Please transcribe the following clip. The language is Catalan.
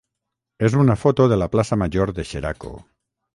és una foto de la plaça major de Xeraco.